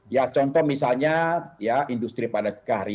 ya contoh misalnya ya industri padat karya